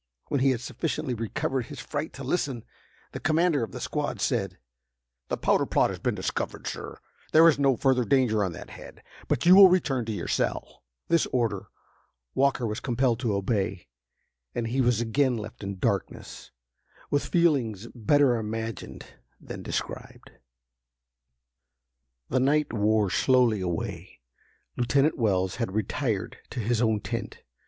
When he had sufficiently recovered his fright to listen, the commander of the squad said: "The powder plot has been discovered, sir. There is no further danger on that head. But you will return to your cell!" This order Walker was compelled to obey, and he was again left in darkness, with feelings better imagined than described. The night wore slowly away. Lieutenant Wells had retired to his own tent.